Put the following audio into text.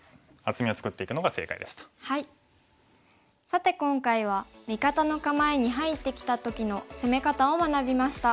さて今回は味方の構えに入ってきた時の攻め方を学びました。